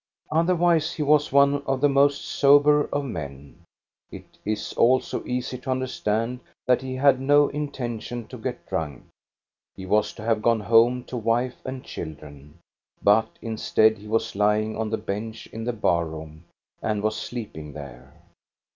Otherwise he was one of the most sober of men. It is also easy to understand that he had no intention to get drunk; he was to have gone home to wife and children. But instead he was lying on the bench in the bar room, and was sleeping there.